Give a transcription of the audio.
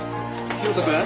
広斗くん？